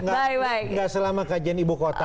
nggak selama kajian ibu kota